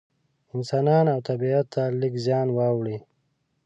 انسانانو او طبیعت ته لږ زیان واړوي.